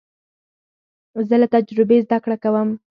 زه له تجربې زده کړه کوم.